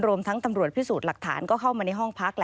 รวมทั้งตำรวจพิสูจน์หลักฐานก็เข้ามาในห้องพัก